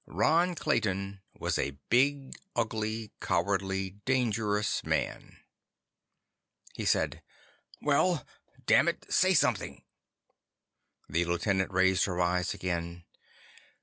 Ron Clayton was a big, ugly, cowardly, dangerous man. He said: "Well? Dammit, say something!" The lieutenant raised her eyes again.